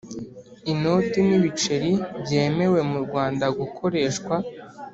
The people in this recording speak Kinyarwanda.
Inoti n ibiceri byemewe mu Rwanda gukoreshwa